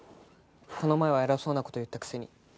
この前は偉そうな事言ったくせに。